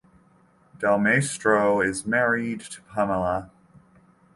Del Maestro is married to Pamela.